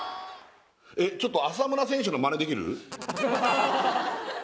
ちょっと浅村選手のマネできる？